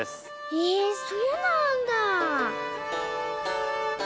へえそうなんだあ！